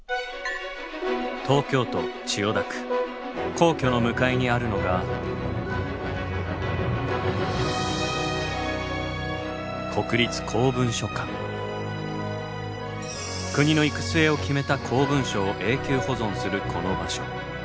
皇居の向かいにあるのが国の行く末を決めた公文書を永久保存するこの場所。